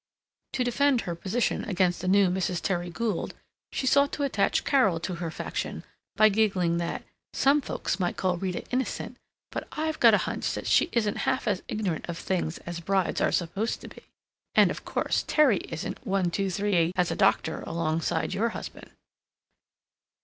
To defend her position against the new Mrs. Terry Gould she sought to attach Carol to her faction by giggling that "SOME folks might call Rita innocent, but I've got a hunch that she isn't half as ignorant of things as brides are supposed to be and of course Terry isn't one two three as a doctor alongside of your husband."